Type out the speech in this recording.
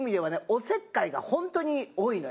おせっかいが本当に多いのよ。